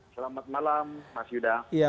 selamat malam mas yuda